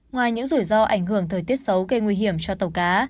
ngoài những rủi ro ảnh hưởng thời tiết xấu gây nguy hiểm cho tàu cá